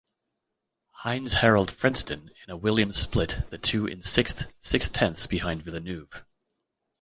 Heinz-Harald Frentzen in a Williams split the two in sixth, six tenths behind Villeneuve.